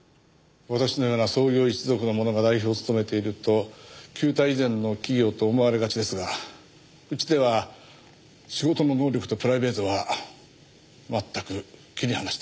私のような創業一族の者が代表を務めていると旧態依然の企業と思われがちですがうちでは仕事の能力とプライベートは全く切り離しています。